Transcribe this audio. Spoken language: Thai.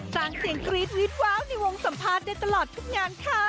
สร้างเสียงกรี๊ดวิดว้าวในวงสัมภาษณ์ได้ตลอดทุกงานค่ะ